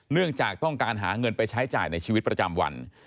เนื่องจากต้องการหาเงินไปใช้จ่ายในชีวิตประจำวัน